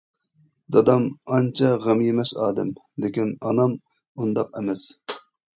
دادام ئانچە غەم يېمەس ئادەم، لېكىن ئانام ئۇنداق ئەمەس.